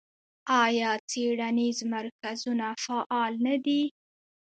آیا څیړنیز مرکزونه فعال نه دي؟